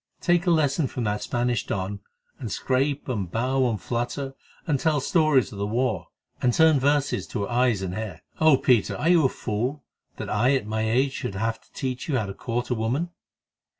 Take a lesson from that Spanish don, and scrape and bow and flatter and tell stories of the war and turn verses to her eyes and hair. Oh, Peter! are you a fool, that I at my age should have to teach you how to court a woman?"